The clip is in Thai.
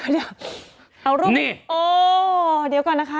เดี๋ยวนี่อ๋อเดี๋ยวก่อนนะคะ